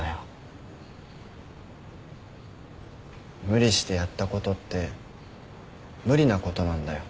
無理してやったことって無理なことなんだよ。